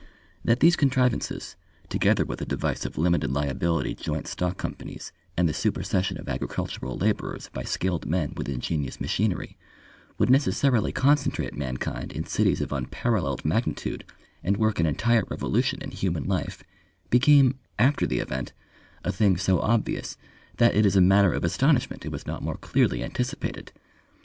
That these contrivances, together with the device of limited liability joint stock companies and the supersession of agricultural labourers by skilled men with ingenious machinery, would necessarily concentrate mankind in cities of unparallelled magnitude and work an entire revolution in human life, became, after the event, a thing so obvious that it is a matter of astonishment it was not more clearly anticipated.